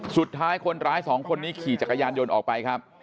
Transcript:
สุดท้ายคนร้ายสองคนนี้ขี่จักรยานยนต์ออกไปครับ